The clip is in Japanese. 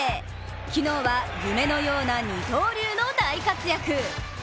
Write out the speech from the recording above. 昨日は夢のような二刀流の大活躍。